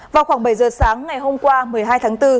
vào khoảng bảy giờ sáng ngày hôm qua một mươi hai tháng bốn